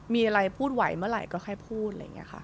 มีอะไรพูดไหวเมื่อไหร่ก็แค่พูด